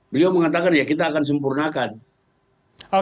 beliau mengatakan ya kita akan sempurnakan